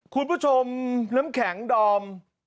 คุณผู้ชมน้ำแข็งดอม